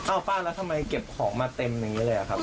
ป้าแล้วทำไมเก็บของมาเต็มอย่างนี้เลยอะครับ